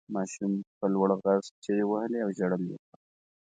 ماشوم په لوړ غږ چیغې وهلې او ژړل یې.